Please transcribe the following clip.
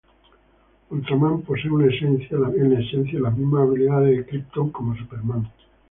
Ultraman posee, en esencia, las mismas habilidades de Krypton como Superman.